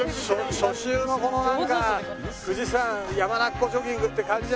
初秋のこのなんか富士山山中湖ジョギングって感じだよ